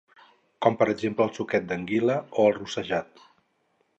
com per exemple el suquet d'anguila o el rossejat